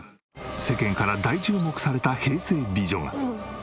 世間から大注目された平成美女が。